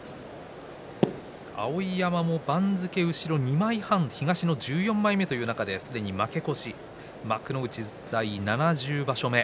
碧山も番付後ろ２枚半東の１４枚目という中ですでに負け越し幕内在位７０場所目